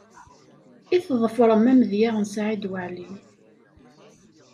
I tḍefrem amedya n Saɛid Waɛli?